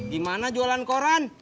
dimana jualan koran